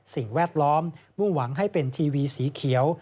สิ่งแวดล้อมมุ่งหวังให้เป็นทีวีสีเขียว